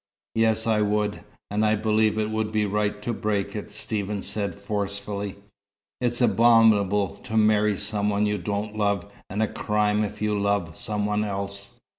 "Yes, I would. And I believe it would be right to break it," Stephen said, forcefully. "It's abominable to marry some one you don't love, and a crime if you love some one else."